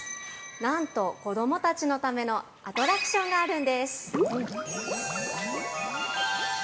なんと子供たちのためのアトラクションがあるんです。